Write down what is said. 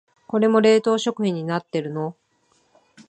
これも冷凍食品になってるの？